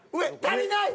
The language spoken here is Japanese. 足りない！